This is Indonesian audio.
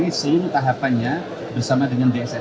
ini seluruh tahapannya bersama dengan dss